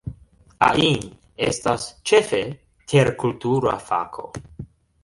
Ain estas, ĉefe, terkultura fako.